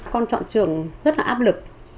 con chọn trường rất là áp lực